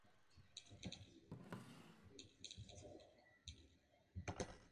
Jugó un total de once partidos con la selección de fútbol de Gales.